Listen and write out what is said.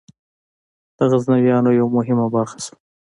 د غزنویانو یوه مهمه برخه شوه.